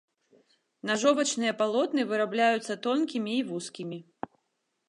Нажовачныя палотны вырабляюцца тонкімі і вузкімі.